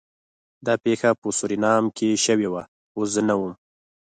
دا پیښه په سورینام کې شوې وه خو زه نه وم